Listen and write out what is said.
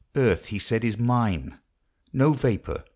'Earth,' he said, 'is mine— No vapour.